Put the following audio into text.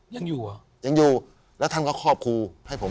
ยังอยู่เหรอยังอยู่แล้วท่านก็ครอบครูให้ผม